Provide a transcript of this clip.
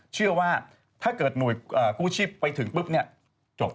เชื่อว่าถ้าเกิดหน่วยกู้ชีพไปถึงปุ๊บจบ